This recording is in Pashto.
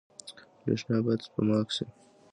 برښنا باید سپما شي